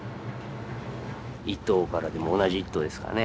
一頭からでも同じ一頭ですからね。